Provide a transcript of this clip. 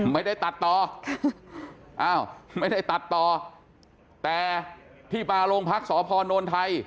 ไม่ได้ตัดต่ออ้าวไม่ได้ตัดต่อแต่ที่มาโรงพักสพนไทย